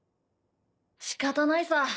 しかたないさ。